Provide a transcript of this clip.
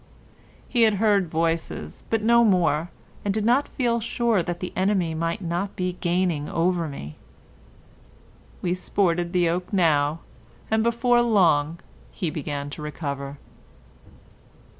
He had heard voices, but no more, and did not feel sure that the enemy might not be gaining over me. We sported the oak now, and before long he began to recover.